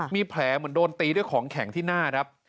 มีแผลเหมือนโดนตีด้วยของแข็งที่หน้าครับ